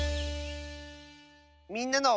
「みんなの」。